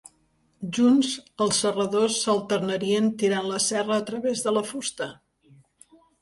Junts, els serradors s'alternarien tirant la serra a través de la fusta.